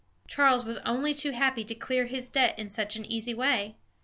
Charles was only too happy to clear his debt in such an easy way.